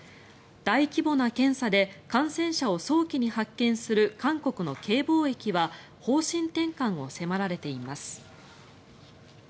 大規模な検査で感染者を早期に発見する韓国のＫ防疫は方針転換を迫られています。